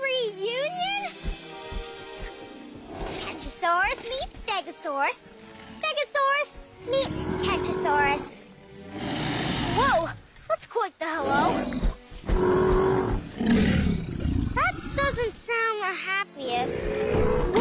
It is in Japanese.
うわ！